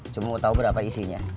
cuma mau tahu berapa isinya